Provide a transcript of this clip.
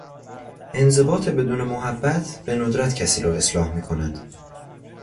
انضباط بدون محبت به ندرت کسی را اصلاح میکند.